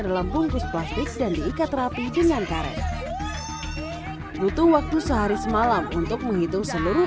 dalam bungkus plastik dan diikat rapi dengan karet butuh waktu sehari semalam untuk menghitung seluruh